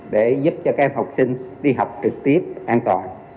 để giúp cho các em học sinh đi học trực tiếp an toàn